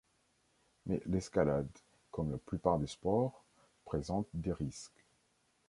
Mais l'escalade, comme la plupart des sports, présente des risques.